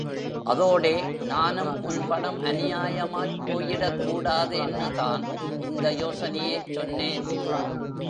அதோடே நானும் உன் பணம் அநியாயமாய்ப் போயிடக்கூடாதேன்னுதான் இந்த யோசனையைச் சொன்னேன்.